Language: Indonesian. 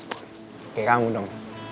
kayak kamu dong